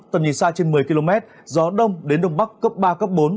tầm nhìn xa trên một mươi km gió đông đến đông bắc cấp ba cấp bốn